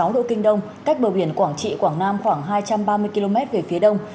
một trăm một mươi sáu độ kinh đông cách bờ biển quảng trị quảng nam khoảng hai trăm ba mươi km về phía đông